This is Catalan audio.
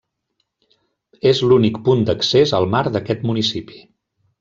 És l'únic punt d'accés al mar d'aquest municipi.